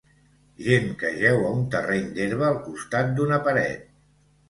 Gent que jeu a un terreny d'herba al costat d'una paret.